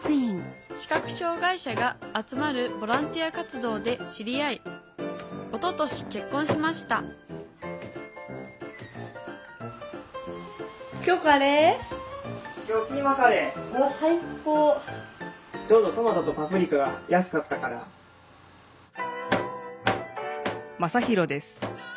視覚障害者が集まるボランティア活動で知り合いおととし結婚しましたまさひろです。